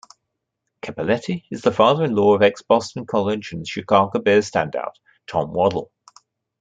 Cappelletti is the father-in-law of ex-Boston College and Chicago Bears standout Tom Waddle.